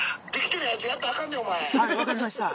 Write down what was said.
はい分かりました